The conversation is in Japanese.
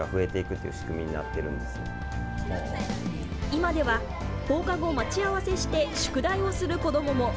今では、放課後、待ち合わせして宿題をする子どもも。